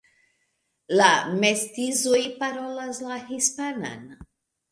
La mestizoj parolas la hispanan.